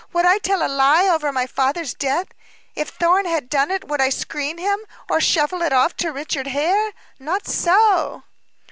"Would I tell a lie over my father's death? If Thorn had done it, would I screen him, or shuffle it off to Richard Hare? Not so."